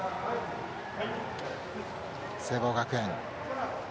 聖望学園。